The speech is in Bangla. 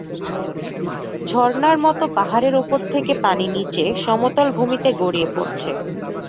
ঝরনার মতো পাহাড়ের ওপর থেকে পানি নিচে সমতল ভূমিতে গড়িয়ে পড়ছে।